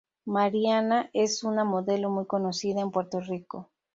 Mariana es una modelo muy conocida en Puerto Rico.